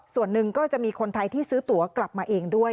ส่วนหนึ่งก็จะมีคนไทยที่ซื้อตัวกลับมาเองด้วย